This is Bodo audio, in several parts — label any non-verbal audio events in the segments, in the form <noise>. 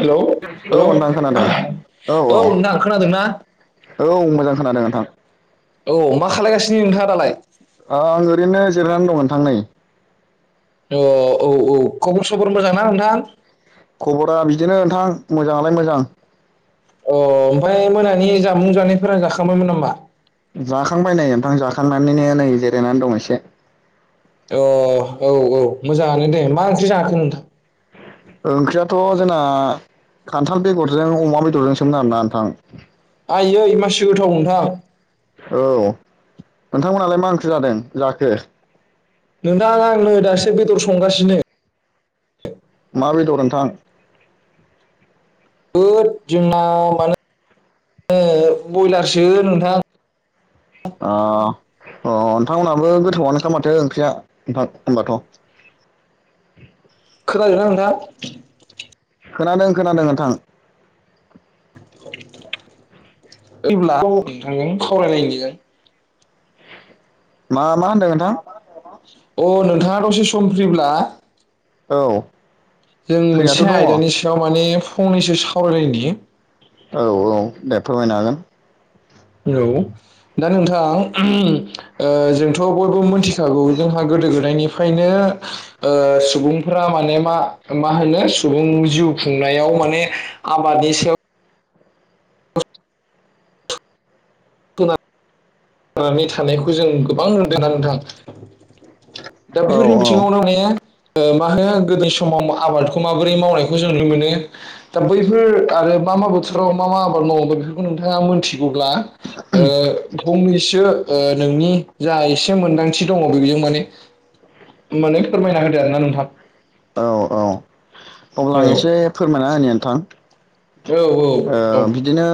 हेल' औ नोंथां खोनादों औ औ। नोंथां खोनादोंना औ मोजां खोनादों नोंथां। औ मा खालायगासिनो नोंथाङा दालाय? आं ओरैनो जिरनानै दं नोंथां नै। अ औ औ खबर सबर मोजांना नोंथां? खबरा बिदिनो नोंथां मोजाङालाय मोजां। अ ओमफ्राय मोनानि जामुं जानायफोरा जाखांबायमोन नामा? जाखांबाय नै नोंथां जाखांनानैनो नै जिरायनानै दं एसे। अ औ औ मोजाङानो दे मा ओंख्रि जाखो नोंथां? ओंख्रियाथ' जोंना खान्थाल बेगरजों अमा बेदरजों सोमोन आरोना नोंथां। आइयै मासि गोथाव नोंथां। नोंथांमोनहालाय मा ओंख्रि जादों जाखो? नोंथां आंनो दासो बेदर संगासिनो। मा बेदर नोंथां? होद जोंना माने ओ बयलारसो नोंथां। अ नोंथांमोनाबो गोथावआनोखा माथो ओंख्रिया हो-होमबाथ' खोनादों ना नोंथांङा खोनादों खोनादों नोंथां अब्ला नोंथां सावरायलायनायजों मा मा होनदों नोंथां अ नोंथाङा दसे सम फ्रिब्ला औ जों मोनसे फ्रियाथ' दङ औ आयदानि सायाव माने फंनैसो सावरायलायनि औ औ दे फोरमानो हागोन औ दा नोंथां जोंथ' बयबो मिथिखागौ जोंहा गो दो गोदायनिफ्रायनो सुबुंफोरा माने मा मा होनो सुबुं जिउ खुंनायाव माने आबादनि सायाव खोना नानै थानायखौ जों गोबां नुदोंना नोंथां दा औ बेफोरनि बिथिङावनो माने ओ मा होनो गोदो समाव आबादखौ माबोरै मावनायखौ जों नुनो मोनो दा बैफोर आरो मा मा मा बोथोराव मा मा आबाद मावोमोन बेफोरखौ नोंथाङा मोनथिगौब्ला ओ बिदिसो नोंनि जा एसे मोनदांथि दङ बेजों माने माने फोरमायना होदो आरो ना नोंथां औ औ औ अब्ला आं एसे फोरमायना होनि नोंथां औ ओ बिदिनो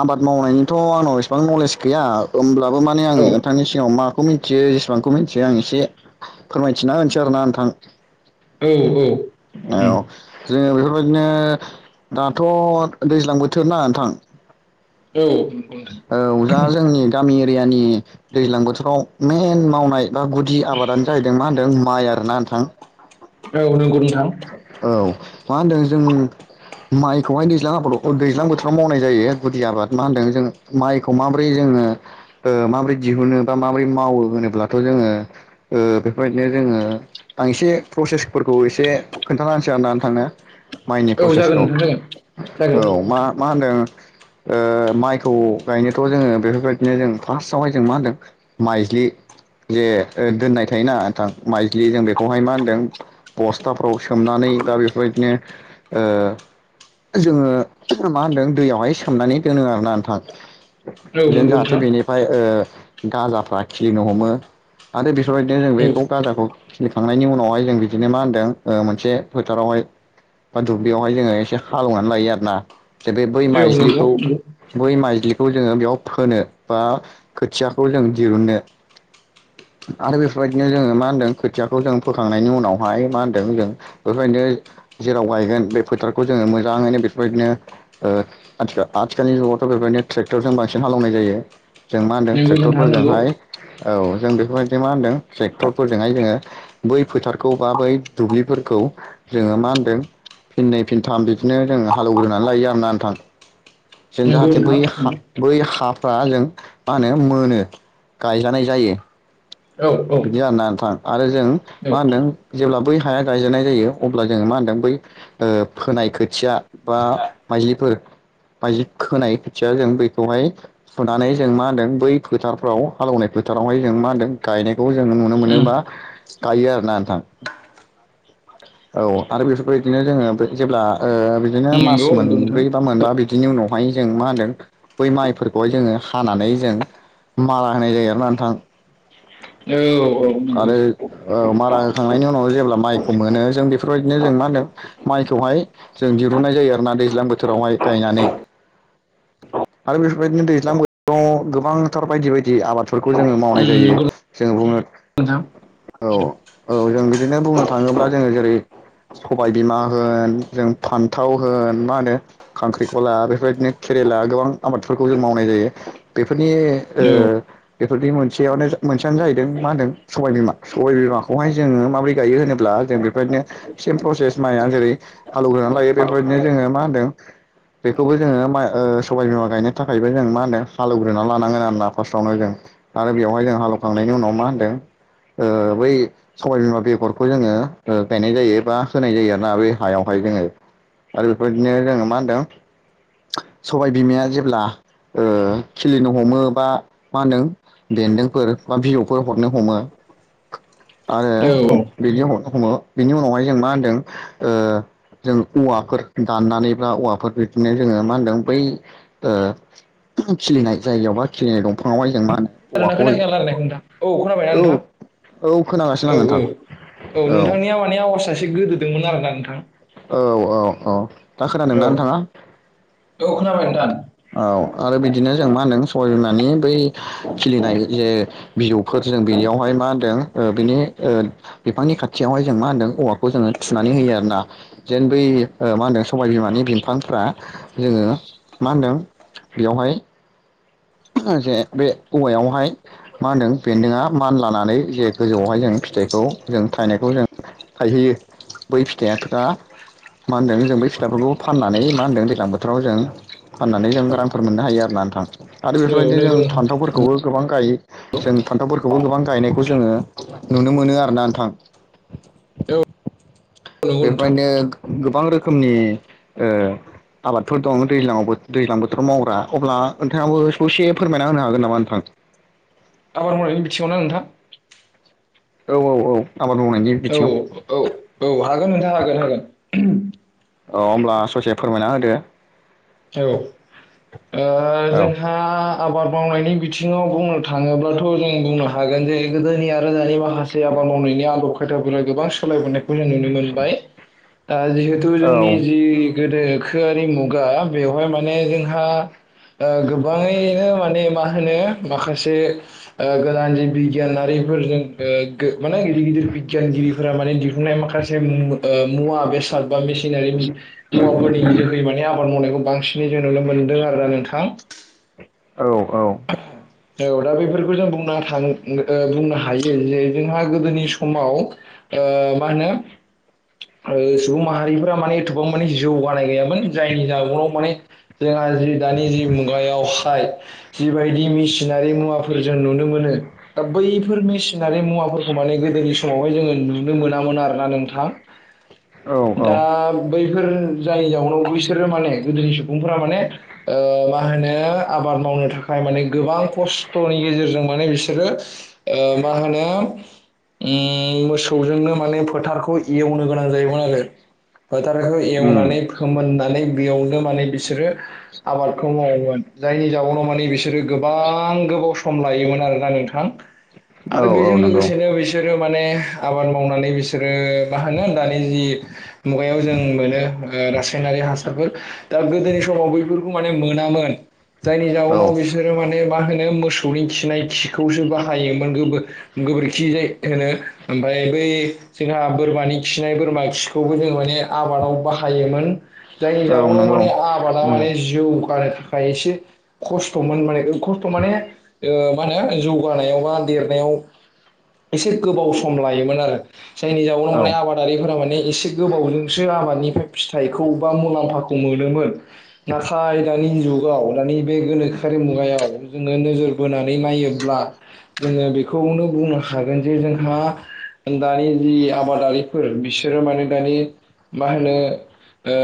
आबाद मावनायनिथ' आंनाव इसिबां नलेज गैया ओमब्ला अ माने औ आंङो नोंथांनि सिगाङाव माखौ मिन्थियो जेसेबांखौ मिथिया आं एसे फोरमायथिना होनोसै आरोना नोंथां औ औ औ जोंङो बे फोरबायदिनो दाथ' दैज्लां बोथोर ना नोंथां औ उम औ औ जा जोंनि गामि एरियानि दैलां बोथोराव मेन मावनाय दा गुदि आबादानो जाहैदों मा होनदों माइ आरोना नोंथां। औ नोंगौ औ मा होनदों जों माइ बहाय दैज्लां आबाद अ दैज्लां बोथोराव मावनाय जायो‌। गुदि आबाद मा होनदों जों माइखौ माबोरै जोंङो माबोरै ओ दिहुनो बा माबोरै मावो। होनोब्लाथ' जोंङो ओ बेफोरबायदिनो जोंङो आं एसे प्रसेस फोरखौ एसे खोन्थाना होनोसै आरोना नोंथांनो। माइनि औ जागोन प्रसेसखौ नोंथां जागोन औ मा मा होनदों। ओ माइखौ गायनोथ' जोंङो बेफोरबाय बिदिनो जों फार्स्टआवहाय जों मा होनदों माइज्लि जे दोननाय थायोना नोंथां माइज्लि जों बेखौहाय मा होनदों बस्था खौ सोमनानै दा बेफोरबायदिनो ओ जोंङो मा होनदों दैयावहाय सोमनानै दोनो आरोना नोंथां जागोन औ बिदिनो नंगौ जाहाथे नोंथां बेनिफाय ओ गाजाफ्रा खिलिनो हमो आरो बि बेफोरबायदिनो जों औ बेखौ गाजाखौ खिलिखांनायनि उनावहाय जों बिदिनो मा होनदों ओ मोनसे फोथारावहाय बा दुब्लियावहाय जोंङो एसे हालौवनानै लायो आरोना। जे बे बै औ नंगौ नंगौ माइजलिखौ बै माइज्लि बेखौ जोंङो बेयाव फोनो बा खोथियाखौ जों दिरुनो आरो बेफोरबायदिनो जोंङो मा होनदों खोथियाखौ जों फोखांनायनि उनावहाय मा होन दों जों बेफोरबायदिनो जेराव गायगोन बे फोथारखौ जोंङो मोजाङैनो बेफोरबायदिनो ओ आथिखाल-आथिखालनि जुगावथ' बेबायदिनो ट्रेक्टरजों बांसिन हालेवनाय जायो। जों मा होनदों नंगौ नोंथां नंगौ ट्रेक्टरफोरजोंहाय औ जों बेफोरबायदिनो मा होनदों ट्रेक्टरफोरजोंहाय जोंङो बै फोथारखौ बा बै दुब्लिफोरखौ जोङो मा होनदों फिनै फिनथाम बिदिनो जों हालेवग्रोनानै लायो आरोना नोंथां। जों नंगौ जाहाथे बै नोंथां हा नंगौ। बै हाफ फ्रा जों मा होनो मोनो गायजानाय जायो। औ उम बिदि आरोना नोंथां आरो जों मा नंगौ होनदों जेब्ला बै हाया गायजेननाय जायो अब्ला जोङो मा होनदों बै ओ फोनाय खोथिया बा माइलिफोर माइलि खोनाय खोथियाव जों बैखौहाय सुनानै जों मा होनदों बै फोथारफ्राव हालौवनाय फोथारावहाय जों मा होनदों गायनायखौ जोंङो नुनो मोनोबा गायो आरोना नोंथां। औ आरो बेफोरबायबायदिनो जोङो जेब्ला ओ बिदिनो मास नंगौ नोंथां मोनब्रै बा मोनबा बिदिनि उनाव माय जों मा होनदों बै माइफोरखौहाय जोङो हानानै जों मारा होनाय जायो आरोना नोंथां। औ औ नोंगौ। औ मारा होखांनायनि उनाव जेब्ला माइखौ मोनो जों बेफोरबायदिनो जों मा होनदों माइखौहाय जों दिरुननाय जायो आरो ना दैज्लां बोथोरावहाय गायनानै। आरो बेफोरबायदिनो दैज्लां बोथोराव गोबांथार बायदि बायदि आबादफोरखौ जोङो मावनाय जायो जोंङो बुङो नोंथां। जों बिदिनो बुंनो थाङोब्ला जोङो जेरै। सबायबिमा होन जों फान्थाव होन मा होनो खांख्रिखला बेफोरबायदिनोे खेला गोबां आबादफोरखौ जों मावनाय जायो बेफोरनि ओ औ बेफोरदि मोनसेयावनो मोनसेयानो जाहैदों मा होनादों सबाय बिमा सबाय बिमाखौहाय जोङो माबोरै गायो होनोब्ला जों बेबायदिनो सेम प्रसेस माइया जेरै हालौग्रोनानै लायो बेफोरबायदिनो जोङो मा होनदों बेखौबो जोङो मा सबाय बिमा गायनो थाखायबो जों मा होनदों हालौव्रोना लानांगोन आरोना फार्स्टआवनो जों आरो बेवहाय जों हालोवखांनायनि उनाव मा होन्दों ओ बै सबायबिमा बेगरखौ जोङो गायनाय जायो बा होनाय जायो आरोना बे हायाव जोंङो आरो बेफोरदिनो जोंङो मा होनदों सबाय बिमाया जेब्ला खिलिनो हमो बा मा होनदों बेन्दोंफोर बा बिजौफोर हरनो हमो औ आरो बेनि हमो बेनि उनावहाय जों मा होनदों। जों औवाफोर दाननानैब्ला औवाफोर बिदिनो जोंङो मा होनदों बै खिलिनाय जायगायावबा खिलिनाय दंफां हाय जों मा होनो खोनादोंना औवाखौ खोनायाखै नोंथां आं रायलायनायखौ नोंथां। औ खोनाबायना नोंथां खोनागासिनो औ आं - नोंथां औ- औ नोंथांनिया मानि आवास एसे गोदोदोंमोन आरो ना नोंथां औ -'औ - औ दा औ खोनादोंनानै थांङा। खोनाबाय नोंथां होनदों सबाय बिमानि बै खिलिनाय जे बिजौफोर जों बेनियावहाय मा होनदों बिनि बिफांनि खाथियावहाय जों मा होनदों औवाखौ जोंङो थुनानै होयो आरो ना। जेन बै मा होनदों सबाय बिमानि बिफांफ्रा जोंङो मा होनदों। बेयावहाय से बे औवायावहाय मा होनदों बेन्दोंआ मान लानानै जे गोजौआवहाय जों फिथाइखौ जों थाइनायखौ जों थायहैयो बै फिथाइआथ' दा मा होनदों जों बै फिथ्लाफोरखौ फाननानै मा होनदों दैज्लां बोथोराव जों फाननानै जों रांफोर मोननो हायो आरो ना। आरो औ बेफोरबायदिनो जों नंगौ नोंथां फान्थावफोरखौबो गोबां गोबां गायो जों फान्थावफोरखौबो गोबां गायनायखौ जोंङो नुनो मोनो आरोना नोंथां औ। नंगौ नोंथां बेबायनो गोबां रोखोमनि आबादफोर दं दैजांवा दैज्लां बोथोराव मावग्रा अब्ला नोंथांङाबो ससे फोरमायना होनो हागोन नामा नोंथां <inaudible> आबादमावनायनि बिथिंङाव ना नोंथां औ - औ-, औ आबाद मावनायनि औ बिथिङाव। औ - औ हागोन नोंथां हागोन हागोन। औ होमब्ला ससे फोरमायना होदो औ ओ औ जोंहा आबाद मावनायनि बि बिथिङाव बुंनो थांङोब्लाथ' जों बुंनो हागोन जे गोदोनि आरो दानि माखासे आबाद मावनायनि आदब खायथा गोबां सालायबोनायखौ जों नुनो मोनबाय। दा जिहेथु औ जोंनि जि गोदोखोआरि मुगा बेवहाय माने जोंहा गोबांङैनो माने मा होनो माखासे ओ गोदान जि बिगियानारि बेफोरजोंखो माने गिदिर गिदिर बिगियानगिरिफोरा माने दिहुननाय माखासे ओ मुवा बेसाद बा मेसिनारि मुवाफोरनि जोहै माने आबाद मावनायखौ बांसिनै जों नुनो मोनदों आरोना नोंथां। औ औ औ दा बेफोरखौ जों बुं थां बुंनो हायो जे जोंहा गोदोनि समाव ओ मा होनो सुबुं माहारिफोरा माने एथबां माने जौनाय नाय गैयामोन जायनि जउनाव माने जोंहा जि दानि जि मुगायावहाय जिबायदि मेसिनारि मुवाफोर जों नुनो मोनो दा बैफोर मेसिनारि मुवाफोरखौ माने गोदो गोदोनि समावहाय जोंङो नुनो मोनामोन आरोना नोंथां औ औ दा बै बेफोर जाययावनो बैसोरो माने गोदोनि सुबुंफोरा माने ओ मा होनो आबाद मावनो थाखा थाखाय माने गोबां खस्थ'नि गेजेरजों माने बिसोरो ओ मा होनो उम मोसौजोंनो माने फोथारखौ एवनो गोनां जायोमोन आरो। फोथारखौ उम एवनानै फोमोननानै बेयावनो बिसोरो आबादखौ मावोमोन जायनि जाउनाव माने बिसोर गोबां गोबाव सम लायोमोन आरोना नोंथां औ आरो औ बेजों नंगौ लोगोसेनो बिसोरो माने आबाद मावनानै बिसोरो मा होनो दानि जि मुगायाव जों मोनो ओ रा रासायनारि हासारफोर दा गोदोनि समाव बैफोरखौ माने मोनामोन जायनि औ जाउनाव बि माने मा होनो मोसौनि खिनाय खिखौ हायो मोन गोबोर गोबोरखि जायखो होनो ओमफाय बै जोंहा बोरमानि खिनाय बोरमा खिखौबो जों माने आबादाव बाहायोमोन। जायनि औ जउनाव नंगौ माने आबादा नंगौ माने जौगानो थाखाय एसे खस्थ' <unintelligible> खस्थ' माने मा होनो जौगानायाव बा देरनायाव एसे गोबाव सम लायोमोन आरो। जायनि जाउनाव औ माने आबादारिफोरा माने एसे गोबावजोंसो आबादनिफ्राय फिथाइखौ बा मुलाम्फाखौ मोनो। मोनोमोन नाथाय दानि जुगाव दानि बे गोनोखोआरि मुगायाव जोंङो नोजोर बोना नायोब्ला जोंङो बेखौनो बुंनो हागोन जे जोंहा दानि जि आबादारिफोर बिसोरो माने दानि मा होनो ओ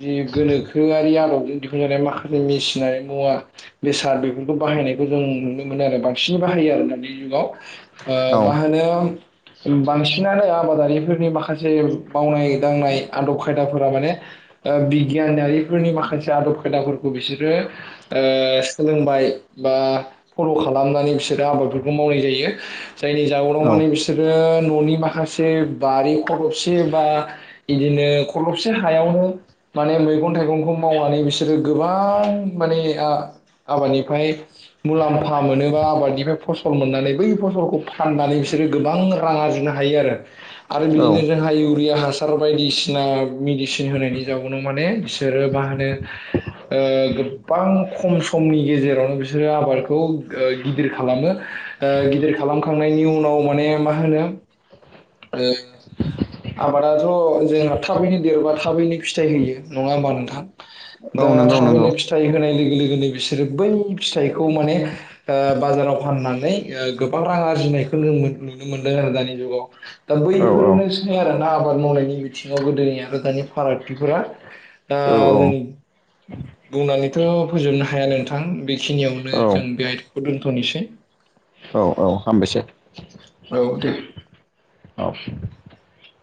जि गोनोखोआरि आदबजों दिहुनजानाय माखासे मेसिनारि मुवा बे बेसाद बेफोरखौ बाहायनायखौ जों नुनो मोनो। आरो बांसिन बाहायो दानि जुगाव। ओ औ मा होनो बांसिनानो आबादारिफोरनि माखासे मावनाय दांनाय आदब खायदाफोरा माने ओ बिगियानारिफोरनि माखासे आदब खायदाफोरखौ बिसोरो ओ सोलोंबाय। बा फल' खालामनानै बिसोरो आबादफोरखौ मावनाय जायो। जायनि जउनाव औ माने बिसोरो न'नि माखासे बारि खरल'बसे बा इदिनो खरलबसे हायावनो माने मैगं थाइगंखौ मावनानै बिसोरो गोबां माने आ आबादनिफ्राय मुलाम्फा मोनोबा आबादनिफ्राय फसल मोननानै बै फसलखौ फाननानै बिसोरो गोबां रां आरजिनो हायो आरो। आरो औ बिदिनो जों <unintelligible> हासार बायदिसिना मेडिसिन होनायनि जाउनाव माने बिसोरो मा होनो ओ गोबां खम समनि गेजेरावनो बिसोरो आबादखौ गिदिर खालामो। ओ गिदिर खालामखांनायनि उनाव माने मा होनो ओ आबादाथ' जोंहा थाबैनो देरबा थाबैनो फिथाइ होयो। नङा होमबा नोंथां? औ दा नंगौ नंगौ थाबैनो फिथाइ होनाय लोगो लोगोनो बिसोरो बै फिथाइखौ माने ओ बाजाराव फाननानै ओ गोबां रां आरजि नायखो नुनो मोनदों आरो दानि जुागाव। दा औ बैफोरनो आरोना आबाद मावनायनि बिथिङाव गोदोनि आरो दानि फारागथिफोरा दा औ जों बुंनानैथ' फोजोबनो हाया नोंथां बेखिनियावनो औ जों बे आयदखौ दोन्थ'नोसै। औ औ हामबायसै। औ दे। औ